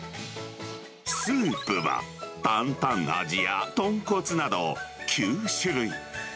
スープは担々味や豚骨など、９種類。